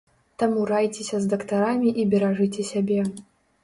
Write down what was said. Таму райцеся з дактарамі і беражыце сябе!